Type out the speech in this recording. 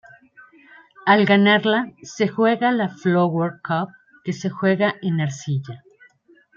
Al ganarla, se juega la "Flower Cup", que se juega en arcilla.